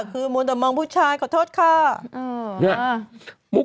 ก็มีบทมผู้ชายคือ